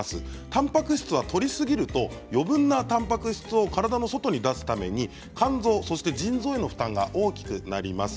たんぱく質はとりすぎると余分なたんぱく質を体の外に出すため、肝臓、腎臓への負担が大きくなります。